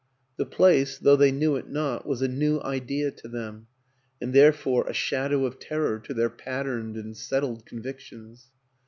The place, though they knew it not, was a New Idea to them and therefore a shadow of terror to their patterned and settled convictions.